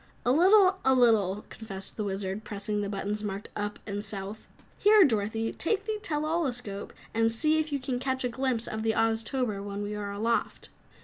"A little, a little," confessed the Wizard, pressing the buttons marked "Up" and "South". "Here, Dorothy, take the tell all escope and see if you can catch a glimpse of the Oztober when we are aloft."